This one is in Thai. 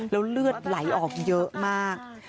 แล้วเลือดไหลออกเยอะมาก